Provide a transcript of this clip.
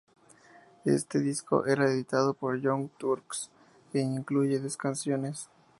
Este disco está editado por Young Turks e incluye diez canciones.